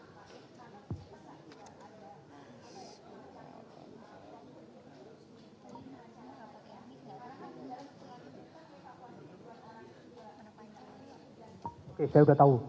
saya sudah tahu